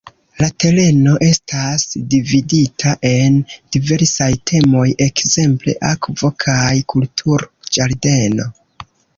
La tereno estas dividita en diversaj temoj, ekzemple "akvo- kaj kultur-ĝardeno".